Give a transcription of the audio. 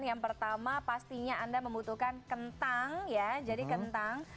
yang pertama pastinya anda membutuhkan kentang ya jadi kentang